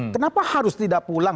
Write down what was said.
kenapa harus tidak pulang